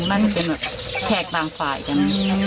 มันเป็นแบบแขกต่างฝ่ายกัน